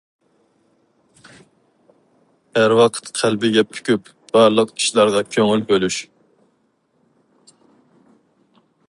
ھەر ۋاقىت قەلبىگە پۈكۈپ، بارلىق ئىشلارغا كۆڭۈل بۆلۈش.